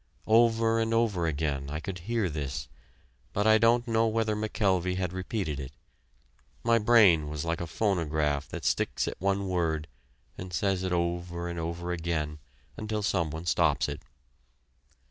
Over and over again, I could hear this, but I don't know whether McKelvey had repeated it. My brain was like a phonograph that sticks at one word and says it over and over again until some one stops it.